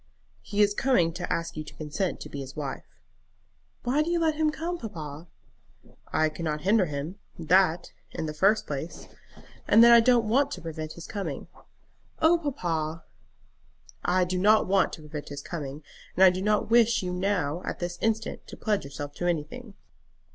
"He is coming to ask you to consent to be his wife." "Why do you let him come, papa?" "I cannot hinder him. That, in the first place. And then I don't want to prevent his coming." "Oh, papa!" "I do not want to prevent his coming. And I do not wish you now at this instant to pledge yourself to anything."